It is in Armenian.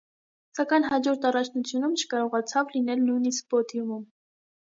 Սակայն հաջորդ առաջնությունում չկարողացավ լինել նույնիսկ պոդիումում։